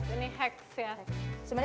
ini udah kita langsung bagi tiga